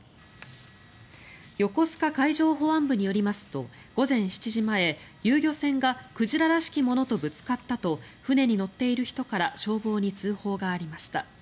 横須賀海上保安部によりますと午前７時前遊漁船が鯨らしきものとぶつかったと船に乗っている人から消防に通報がありました。